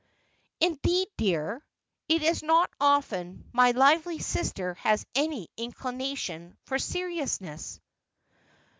' Indeed, dear. It is not often my lively sister has any incli nation for seriousness.'